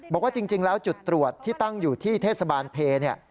บอกว่าจริงแล้วจุดตรวจที่ตั้งอยู่ที่เทศบาลเพลเนี่ย